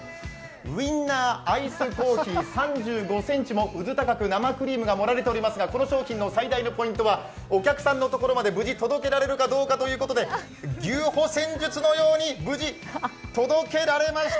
ウインナーアイスコーヒー３５ｃｍもうずたかく生クリームが盛られていますが、この商品の最大のポイントはお客さんのところまで無事届けられるかどうかということで、牛歩戦術のように無事届けられました！